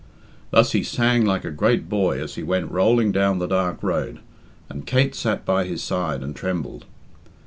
Thus he sang like a great boy as he went rolling down the dark road, and Kate sat by his side and trembled.